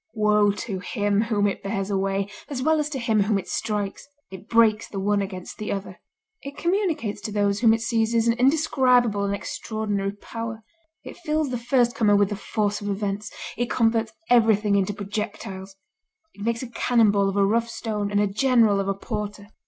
Woe to him whom it bears away as well as to him whom it strikes! It breaks the one against the other. It communicates to those whom it seizes an indescribable and extraordinary power. It fills the firstcomer with the force of events; it converts everything into projectiles. It makes a cannon ball of a rough stone, and a general of a porter.